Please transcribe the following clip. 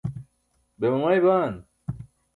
be mamay baan?